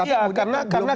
iya karena begini